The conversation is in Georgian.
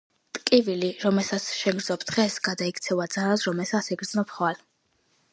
ტკივილი, რომელსაც შენ გრძნობ დღეს, გადაიქცევა ძალად, რომელსაც იგრძნობ ხვალ.